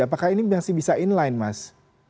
apakah ini masih bisa inline mas